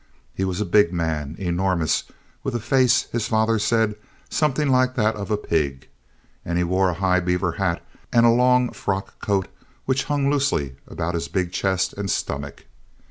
He was a big man, enormous, with a face, his father said, something like that of a pig; and he wore a high beaver hat and a long frock coat which hung loosely about his big chest and stomach.